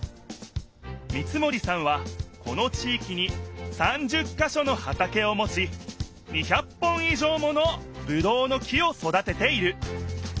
三森さんはこの地いきに３０かしょの畑をもち２００本い上ものぶどうの木を育てている。